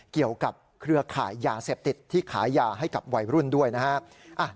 เกี่ยวกับเครือขายยาเสพติดที่ขายยาให้กับวัยรุ่นด้วยนะฮะ